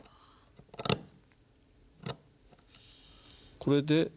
これで。